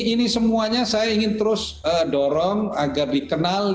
ini semuanya saya ingin terus dorong agar dikenal